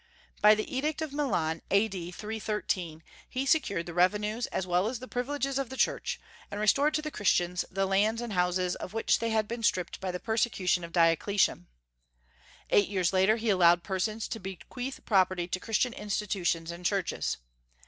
By the edict of Milan, A.D. 313, he secured the revenues as well as the privileges of the Church, and restored to the Christians the lands and houses of which they had been stripped by the persecution of Diocletian. Eight years later he allowed persons to bequeath property to Christian institutions and churches.